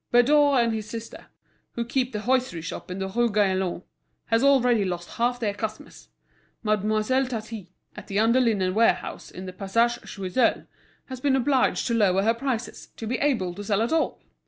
Bédoré and his sister, who keep the hosiery shop in the Rue Gaillon, have already lost half their customers; Mademoiselle Tatin, at the under linen warehouse in the Passage Choiseul, has been obliged to lower her prices, to be able to sell at all.